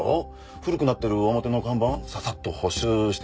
古くなってる表の看板ササッと補修してくれたりさ。